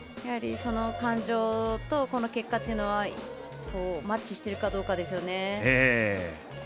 その感情とこの結果というのがマッチしてるかどうかですね。